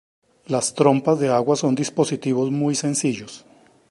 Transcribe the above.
Las trompas de agua son dispositivos muy sencillos.